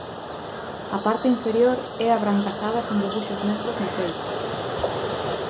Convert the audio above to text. A parte inferior é abrancazada con debuxos negros no peito.